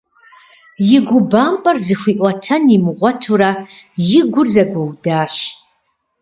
И губампӏэр зыхуиӏуэтэн имыгъуэтурэ и гур зэгуэудащ.